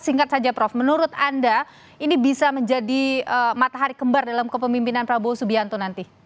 singkat saja prof menurut anda ini bisa menjadi matahari kembar dalam kepemimpinan prabowo subianto nanti